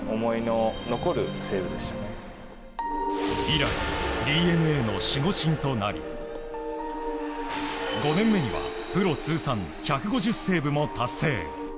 以来、ＤｅＮＡの守護神となり５年目にはプロ通算１５０セーブも達成。